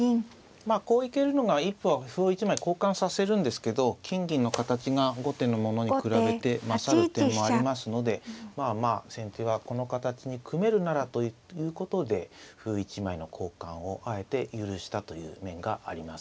まあこう行けるのが一歩は歩を１枚交換させるんですけど金銀の形が後手のものに比べて勝る点もありますのでまあまあ先手はこの形に組めるならということで歩１枚の交換をあえて許したという面があります。